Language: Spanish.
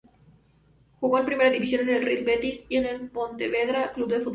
Jugó en Primera División en el Real Betis y el Pontevedra Club de Fútbol.